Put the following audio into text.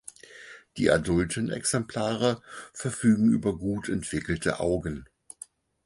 Die adulten Exemplare verfügen über gut entwickelte Augen.